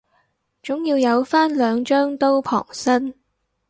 總要有返兩張刀傍身